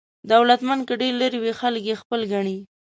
دولتمند که ډېر لرې وي خلک یې خپل ګڼي.